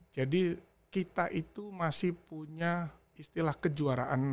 jadi kita itu masih punya istilah kejuaraan